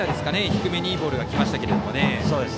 低めにいいボールが来ました。